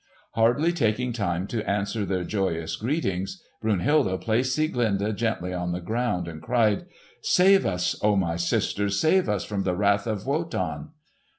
Hardly taking time to answer their joyous greetings, Brunhilde placed Sieglinde gently on the ground and cried, "Save us, O my sister! Save us from the wrath of Wotan!"